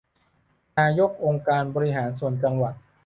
นายกองค์การบริหารส่วนจังหวัด